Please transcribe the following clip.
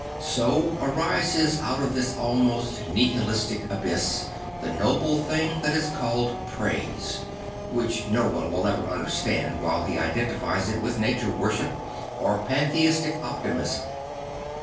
So arises out of this almost nihilistic abyss the noble thing that is called Praise; which no one will ever understand while he identifies it \vith nature worship or pantheistic optimism.